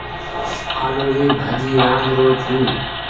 آلو ري ڀآڃي رآڌرو ڇون۔